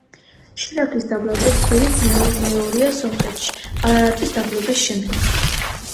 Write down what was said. შირაქის დაბლობი სიდიდით მეორეა სომხეთში, არარატის დაბლობის შემდეგ.